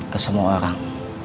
ke semua orang